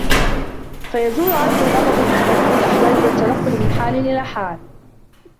فَيَزُولُ عَنْهُ الْغَضَبُ بِتَغَيُّرِ الْأَحْوَالِ وَالتَّنَقُّلِ مِنْ حَالٍ إلَى حَالٍ